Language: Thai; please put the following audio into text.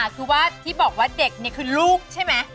คือว่าที่บอกว่าเด็กนี่คือลูกใช่ไหม